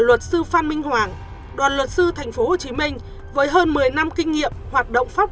luật sư phan minh hoàng đoàn luật sư thành phố hồ chí minh với hơn một mươi năm kinh nghiệm hoạt động pháp